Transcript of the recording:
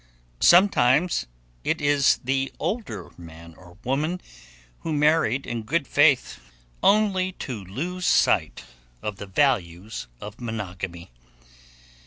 Sometimes it is the older man or woman who married in good faith only to lose sight of the values of monogamy.